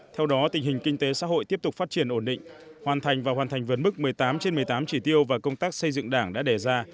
theo đó tình hình kinh tế xã hội tiếp tục phát triển ổn định hoàn thành và hoàn thành vấn mức một mươi tám trên một mươi tám chỉ tiêu và công tác xây dựng đảng đã đề ra